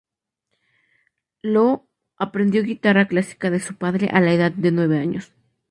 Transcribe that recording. Loo aprendió guitarra clásica de su padre a la edad de nueve años.